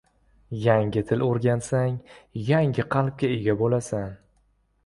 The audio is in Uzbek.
Yangi til oʻrgansang, yangi qalbga ega boʻlasan.